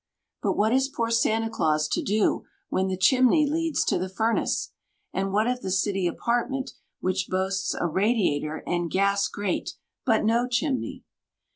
But what is poor Santa Claus to do when the chimney leads to the furnace? And what of the city apartment, which boasts a radiator and gas grate, but no chimney?